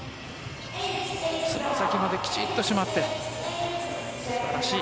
つま先まできちんと締まって素晴らしい。